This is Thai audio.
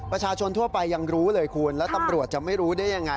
ประชาชนทั่วไปยังรู้เลยคุณแล้วตำรวจจะไม่รู้ได้ยังไง